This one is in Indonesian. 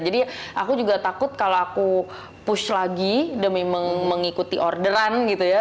jadi aku juga takut kalau aku push lagi demi mengikuti orderan gitu ya